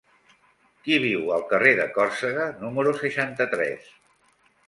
Qui viu al carrer de Còrsega número seixanta-tres?